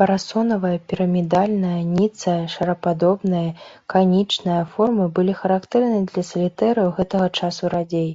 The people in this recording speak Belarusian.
Парасонавая, пірамідальная, ніцая, шарападобная, канічная формы былі характэрныя для салітэраў гэтага часу радзей.